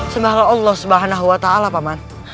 semangat allah swt paman